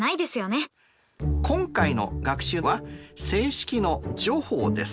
今回の学習は整式の除法です。